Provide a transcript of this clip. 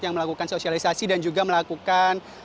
yang melakukan sosialisasi dan juga melakukan